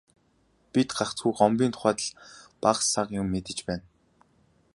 Бид гагцхүү Гомбын тухай л бага сага юм мэдэж байна.